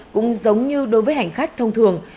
cũng giống như đối với hành khách thông thường